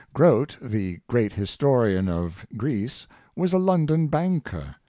Grote, the great historian of Greece, was a London banker.